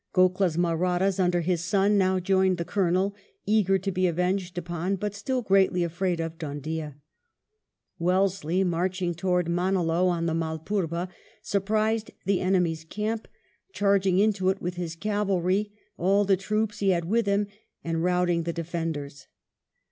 Goklah's Mahrattas, under his son, now joined the Colonel, eager to be avenged upon, but still greatly afraid of DhoondiaL Wellesley, marching towards Manowly on the Malpurba, surprised the enemy's camp, charging into it with his cavalry, all the troops he had with him, and routing the defenders.